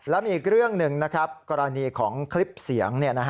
แล้วมีอีกเรื่องหนึ่งนะครับกรณีของคลิปเสียง